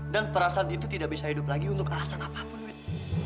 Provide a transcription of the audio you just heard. dan perasaan itu tidak bisa hidup lagi untuk alasan apapun wit